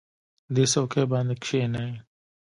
دې څوکۍ باندې کېنئ.